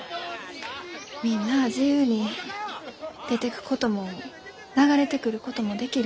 みんなあ自由に出てくことも流れてくることもできる。